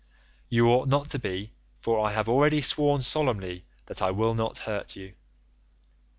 You ought not to be, for I have already sworn solemnly that I will not hurt you.